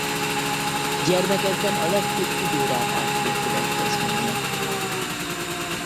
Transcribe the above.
Gyermekekben a legtöbb tüdőrák áttét következménye.